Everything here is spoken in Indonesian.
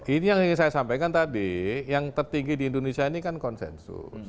ini yang ingin saya sampaikan tadi yang tertinggi di indonesia ini kan konsensus